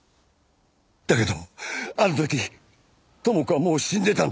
だけどあの時知子はもう死んでたんです。